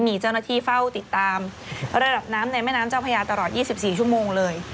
มีเจ้าหน้าที่เฝ้าติดตามระดับน้ำในแม่น้ำเจ้าพญาตลอด๒๔ชั่วโมงเลย